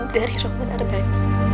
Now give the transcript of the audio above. dari roman armani